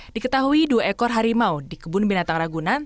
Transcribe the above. diketahui dua ekor harimau di kebun binatang ragunan